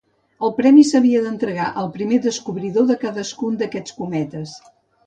El premi s'havia d'entregar al primer descobridor de cadascun d'aquests cometes.